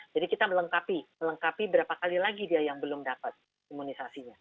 kita melengkapi melengkapi berapa kali lagi dia yang belum dapat imunisasinya